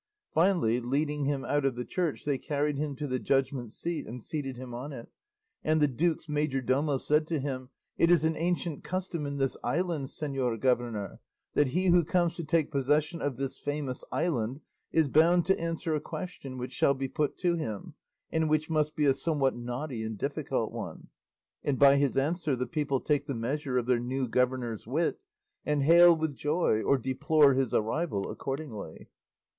Finally, leading him out of the church they carried him to the judgment seat and seated him on it, and the duke's majordomo said to him, "It is an ancient custom in this island, señor governor, that he who comes to take possession of this famous island is bound to answer a question which shall be put to him, and which must be a somewhat knotty and difficult one; and by his answer the people take the measure of their new governor's wit, and hail with joy or deplore his arrival accordingly."